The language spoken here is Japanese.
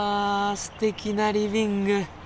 すてきなリビング！